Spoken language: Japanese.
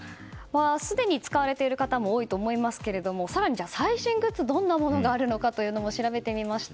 すでに使われている方も多いと思いますが更に最新グッズどんなものがあるのか調べてみました。